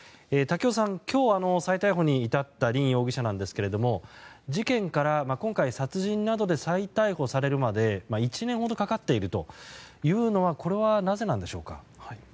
瀧尾さん、今日、再逮捕に至った凜容疑者なんですが事件から今回殺人などで再逮捕されるまで１年ほどかかっているというのはこれは、なぜなんでしょうか？